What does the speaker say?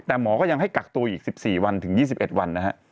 แต่หมอก็ยังให้กักตัวอีก๑๔วันถึง๒๑วันนะฮะ